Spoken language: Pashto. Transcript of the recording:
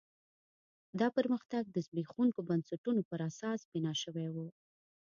دا پرمختګ د زبېښونکو بنسټونو پر اساس بنا شوی و.